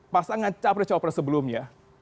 pasangan capri capri sebelumnya